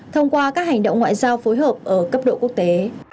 thông qua các hành động ngoại giao phối hợp ở cấp độ quốc tế